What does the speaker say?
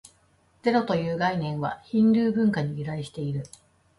ゼロという概念は、ヒンドゥー文化に由来している。